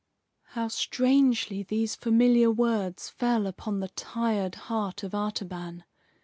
'" How strangely these familiar words fell upon the tired heart of Artaban!